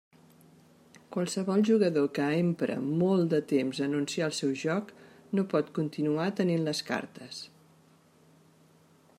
Qualsevol jugador que empre molt de temps a anunciar el seu joc, no pot continuar tenint les cartes.